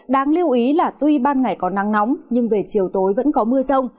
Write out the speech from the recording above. đáng lưu ý là tuy ban ngày có nắng nóng nhưng về chiều tối vẫn có mưa rông